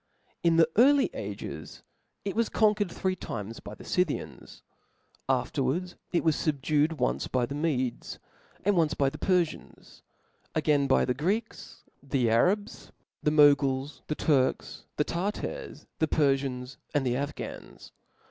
In the early ag5 it was conquered three timei by the Scythians } afterwards ic was fubdued once by the Medes, "^and once by the Perfians ; again by the Greeks, the Arabs^ the Moguls, the Turks, the Tartars, the Perfians, and the Afghans.